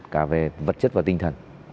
cả về vật chất và tinh thần